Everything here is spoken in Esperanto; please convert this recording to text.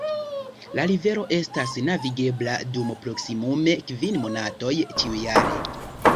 La rivero estas navigebla dum proksimume kvin monatoj ĉiujare.